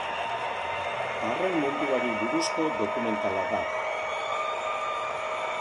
Arraun munduari buruzko dokumentala da.